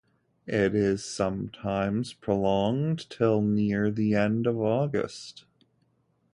It is sometimes prolonged till near the end of August.